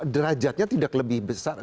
derajatnya tidak lebih besar